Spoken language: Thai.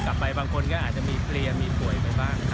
กลับไปบางคนก็อาจจะมีเครียมมีป่วยไปบ้างนะครับ